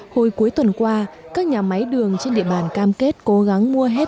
hồi cuối tuần qua các nhà máy đường trên địa bàn cam kết cố gắng mua hết